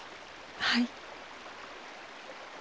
はい。